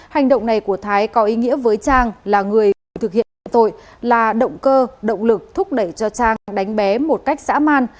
hành động này của thái có ý nghĩa với trang là người cùng thực hiện nhận tội là động cơ động lực thúc đẩy cho trang đánh bé một cách dã man